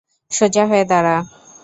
সোজা হয়ে দাঁড়া।